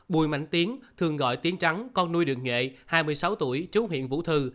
bùi mảnh tiến thường gọi tiến trắng con nuôi đường nhuệ hai mươi sáu tuổi trú huyện vũ thư